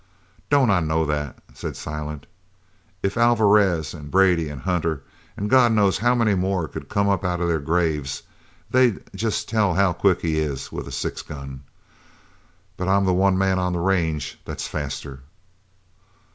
"Don't I know that?" said Silent. "If Alvarez, an' Bradley, an' Hunter, an' God knows how many more could come up out of their graves, they'd tell jest how quick he is with a six gun. But I'm the one man on the range that's faster."